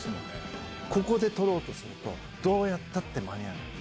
ここでとろうとすると、どうやったって間に合わない。